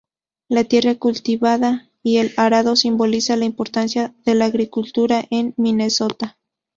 La tierra cultivada y el arado simbolizan la importancia de la agricultura en Minnesota.